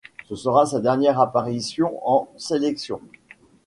Ce sera sa dernière apparition en sélection.